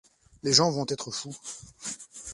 Les gens vont être fous.